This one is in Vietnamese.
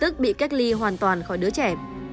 tức bị cách ly hoàn toàn khỏi đứa trẻ